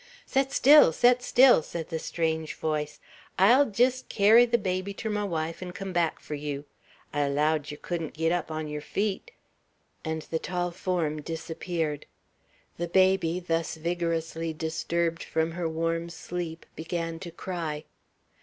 "Set still! set still!" said the strange voice. "I'll jest carry the baby ter my wife, an' come back fur you. I allowed yer couldn't git up on yer feet;" and the tall form disappeared. The baby, thus vigorously disturbed from her warm sleep, began to cry.